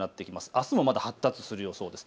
あすも発達する予想です。